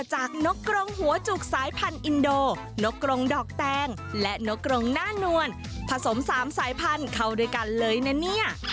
หัวจุกแป้งและนกกรงหน้านวลผสม๓สายพันธุ์เข้าด้วยกันเลยนะเนี่ย